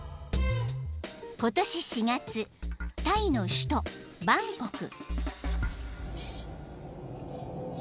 ［今年４月タイの首都バンコク］